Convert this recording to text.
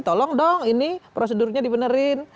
tolong dong ini prosedurnya dibenerin